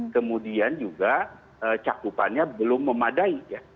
kemudian juga cakupannya belum memadai ya